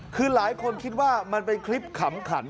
คือหลายคนคิดว่ามันเป็นคลิปขำขัน